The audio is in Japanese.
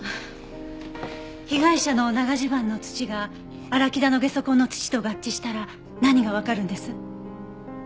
被害者の長襦袢の土が荒木田のゲソ痕の土と合致したら何がわかるんです？